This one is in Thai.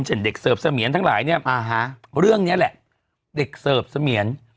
เช่นเด็กเสิร์ฟเสมียรทั้งหลายเนี้ยอ่าฮะเรื่องเนี้ยแหละเด็กเสิร์ฟเสมียร